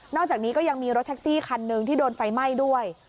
อกจากนี้ก็ยังมีรถแท็กซี่คันหนึ่งที่โดนไฟไหม้ด้วย